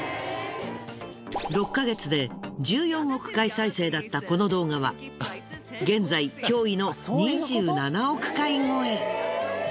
６ヶ月で１４億回再生だったこの動画は現在驚異の２７億回超え。